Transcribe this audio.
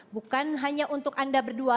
bukan hanya untuk anda berdua